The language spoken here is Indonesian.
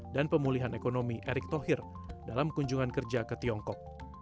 dan pemulihan ekonomi erik thohir dalam kunjungan kerja ke tiongkok